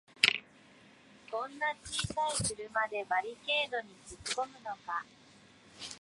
こんな小さい車でバリケードにつっこむのか